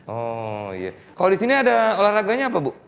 oh iya kalau di sini ada olahraganya apa bu